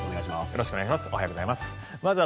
よろしくお願いします。